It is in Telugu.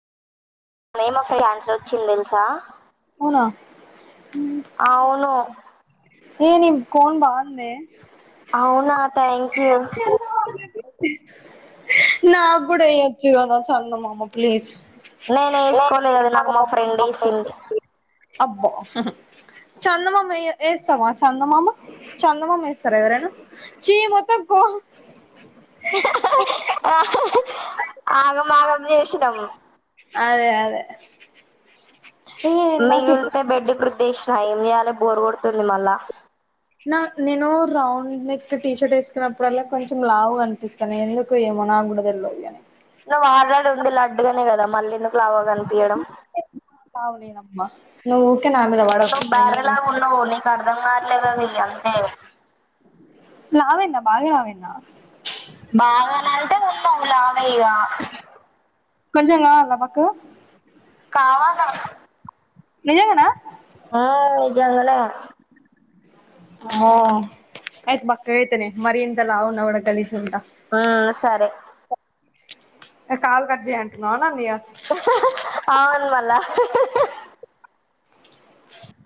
నేమా ఫె క్యాన్సర్ వచ్చింది తెలుసా అవునా అవును ఏ నీ కోన్ బావుందే అవునా థ్యాంక్ యూ నా గుడా ఎయోచు గదా చందమామ ప్లీస్ నేను ఏసుకోలేదు అది నాకు మా ఫ్రెండ్ ఏసింది అబ్బా హా హ చందమామ ఎయ్ ఏస్తవ చందమామ చందమామ ఏస్తర ఎవరైనా చీ మొత్తం కో ఆగమాగం జేసినం అదే అదే ఏ నాకు ఇప్పుడు మిగుల్తే బెడ్డుక్ ద్దేశిన ఏం చేయలే బోర్ కొడుతుంది మళ్ళా నా నేను రౌండ్ నెక్ టీషర్ట్ వేసుకున్నప్పుడల్లా కొంచెం లావు కనిపిస్తాను ఎందుకు ఏమో నా గుడ తెల్వదిగా నువ్వు ఆల్రెడీ ఉంది లడ్డు గానే కదా మళ్లీను లావుగా గనిపియ్యడం హలో ను బర్రె లాగున్నావ్ నిక్ అర్ధంకాట్లేదుఆది అంతే లావైన బాగా లావైన బాగానంటే ఉన్నావుగా అదేఇగ కొంచెంగావలా బక్కగా కావాలా నీజాంగానా ఆ నిజంగానే గా అమ్మో ఆయిత్ బక్క గైతనే మరి ఇంత లావున్న కూడా గాలిజ్ ఉంటా ఆ సరే కాల్ కట్ చేయి అంటున్నావ నన్నిగా అవున్మళ